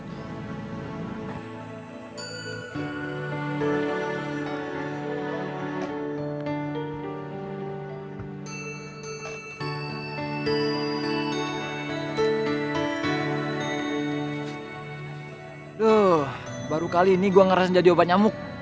aduh baru kali ini gue ngerasa jadi obat nyamuk